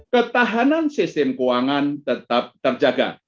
ketahanan sistem keuangan tetap terjaga